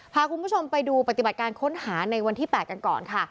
พาคุณผู้ชมไปดูปฏิบัติการค้นหาในวันที่๘กันก่อนค่ะ